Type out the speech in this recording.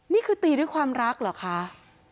นี่คือตีด้วยความรักเหรอคะ